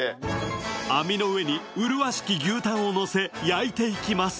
網の上に麗しき牛タンを乗せ、焼いていきます。